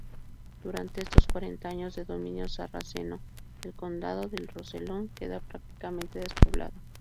Durante estos cuarenta años de dominio sarraceno, el condado del Rosellón queda prácticamente despoblado.